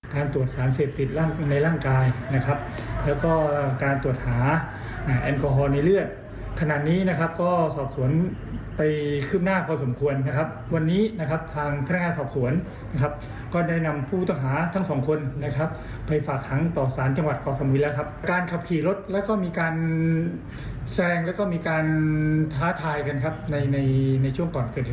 ตรวจสารเสพติดในร่างกายนะครับแล้วก็การตรวจหาแอลกอฮอลในเลือดขณะนี้นะครับก็สอบสวนไปคืบหน้าพอสมควรนะครับวันนี้นะครับทางพนักงานสอบสวนนะครับก็ได้นำผู้ต้องหาทั้งสองคนนะครับไปฝากหางต่อสารจังหวัดกรสมิทแล้วครับการขับขี่รถแล้วก็มีการแซงแล้วก็มีการท้าทายกันครับในในในช่วงก่อนเกิดเหตุ